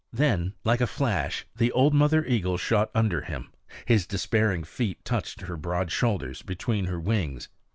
Then like a flash the old mother eagle shot under him; his despairing feet touched her broad shoulders, between her wings.